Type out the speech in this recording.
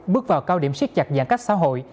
bước vào cao điểm siết chặt giãn cách xã hội